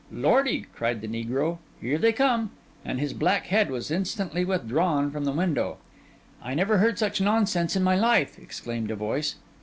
'Lordy!' cried the negro, 'here they come!' And his black head was instantly withdrawn from the window. 'I never heard such nonsense in my life,' exclaimed a voice.